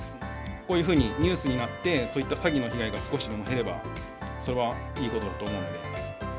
こういうふうにニュースになって、そういった詐欺の被害が少しでも減れば、それはいいことだと思うんで。